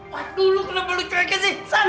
waduh lu kenapa lu cuekin sih san